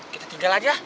kita tinggal aja